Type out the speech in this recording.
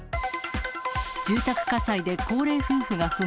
住宅火災で高齢夫婦が不明。